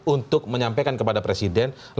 untuk menyampaikan kepada presiden